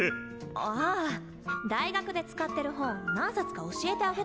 ああ大学で使ってる本何冊か教えてあげたの。